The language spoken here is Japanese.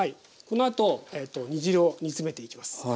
このあと煮汁を煮詰めていきます。